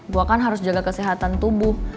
gue kan harus jaga kesehatan tubuh